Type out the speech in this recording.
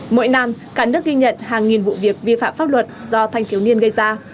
mỗi năm cả nước ghi nhận hàng nghìn vụ việc vi phạm pháp luật do thanh thiếu niên gây ra